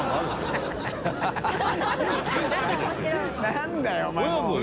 何だよお前もう。